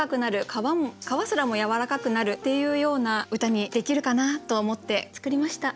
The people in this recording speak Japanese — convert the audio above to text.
皮すらもやわらかくなるっていうような歌にできるかなと思って作りました。